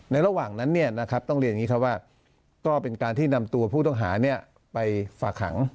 ระหว่างนั้นต้องเรียนอย่างนี้ครับว่าก็เป็นการที่นำตัวผู้ต้องหาไปฝากขัง